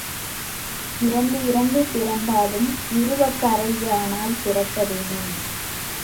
இறந்து இறந்து பிறந்தாலும் இருவக்கரையானாய்ப் பிறக்க வேணும்.